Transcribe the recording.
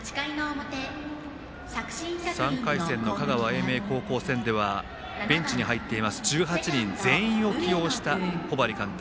３回戦の香川・英明高校戦ではベンチに入っています１８人全員を起用した小針監督。